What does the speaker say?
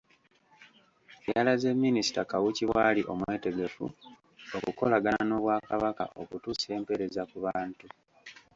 Yalaze Minisita Kawuki bw’ali omwetegefu okukolagana n’Obwakabaka okutuusa empeereza ku bantu